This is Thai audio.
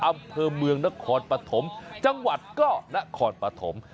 อำเภอเมืองนครปฐมจังหวัดก็นครปฐม